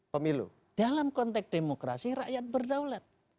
pemilu dalam konteks demokrasi rakyat berdaulat